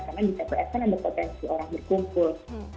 karena di tps kan ada potensi orang berkumpul